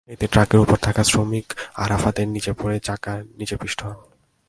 এতে ট্রাকের ওপর থাকা শ্রমিক আরাফাত নিচে পড়ে চাকার নিচে পিষ্ট হন।